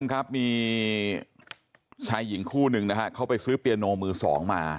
ครับมีชายหญิงคู่หนึ่งนะฮะเขาไปซื้อเปียโนมือสองมา